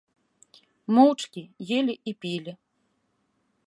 Моўчкі елі і пілі.